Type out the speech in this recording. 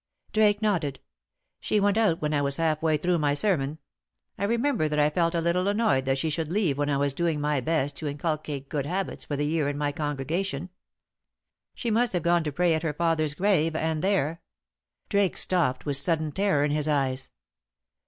Drake nodded. "She went out when I was half way through my sermon. I remember that I felt a little annoyed that she should leave when I was doing my best to inculcate good habits for the year in my congregation. She must have gone to pray at her father's grave, and there " Drake stopped with sudden terror in his eyes.